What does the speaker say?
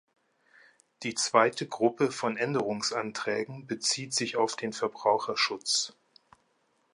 Die zweite Gruppe von Änderungsanträgen bezieht sich auf den Verbraucherschutz.